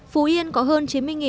phú yên có hơn chín mươi lông